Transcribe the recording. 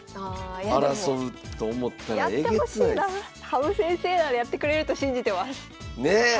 羽生先生ならやってくれると信じてます。ね！